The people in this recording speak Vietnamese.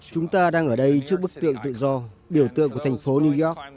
chúng ta đang ở đây trước bức tượng tự do biểu tượng của thành phố new york